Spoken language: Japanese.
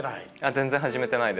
全然始めてないです。